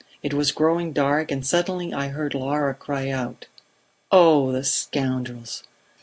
It was growing dark, and suddenly I heard Laura cry out: 'Oh, the scoundrels!'